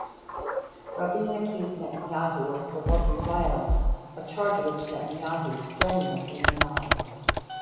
Rabin accused Netanyahu of provoking violence, a charge which Netanyahu strenuously denied.